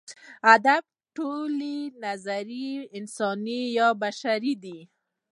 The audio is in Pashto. ادب ټولې نظریې انساني یا بشري دي.